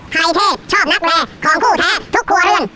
ไทเทศชอบนักแรงของคู่แท้ทุกครัวอื่น